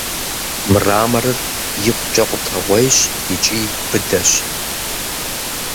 Мраморыр икъукӀэ къутэгъуейщ икӀи быдэщ.